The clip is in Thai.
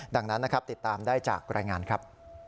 ดังนั้นนะครับติดตามได้จากรายงานครับ